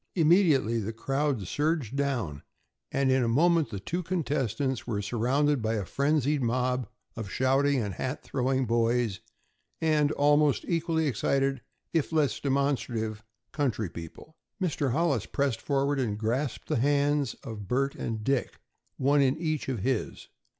Immediately the crowd surged down, and in a moment the two contestants were surrounded by a frenzied mob of shouting and hat throwing boys, and almost equally excited, if less demonstrative, country people. Mr. Hollis pressed forward and grasped the hands of Bert and Dick, one in each of his.